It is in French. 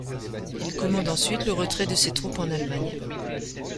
Il commande ensuite le retrait de ses troupes en Allemagne.